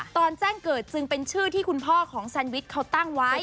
แจ้งเกิดจึงเป็นชื่อที่คุณพ่อของแซนวิชเขาตั้งไว้